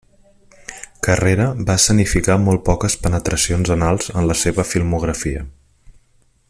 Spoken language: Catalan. Carrera va escenificar molt poques penetracions anals en la seva filmografia.